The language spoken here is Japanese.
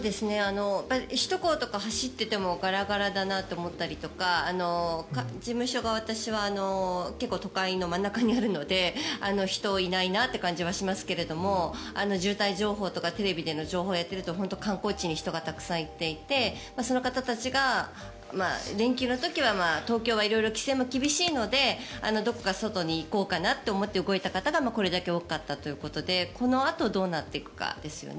首都高とかを走っててもガラガラだなと思ったり事務所が私は結構、都会の真ん中にあるので人がいないなという感じはしますけど渋滞情報とかテレビでの情報を見ていると本当に観光地に人がたくさん行っていてその人たちが連休の時は東京は色々と規制も厳しいのでどこか外に行こうかなと思って動いた方がこれだけ多かったということでこのあとどうなっていくかですよね。